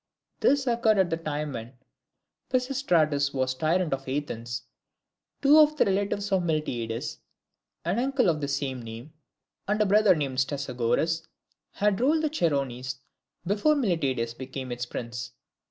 This occurred at the time when Pisistratus was tyrant of Athens. Two of the relatives of Miltiades an uncle of the same name, and a brother named Stesagoras had ruled the Chersonese before Miltiades became its prince.